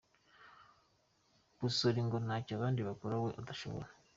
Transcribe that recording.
Basori ngo ntacyo abandi bakora we atashobora.